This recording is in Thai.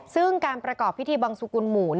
ซึ่งการประกอบพิธีบังสุกุลหมู่